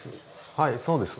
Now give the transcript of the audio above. はいそうですか。